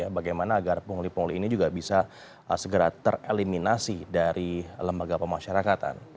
bagaimana agar pungli pungli ini juga bisa segera tereliminasi dari lembaga pemasyarakatan